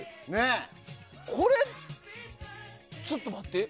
ちょっと待って。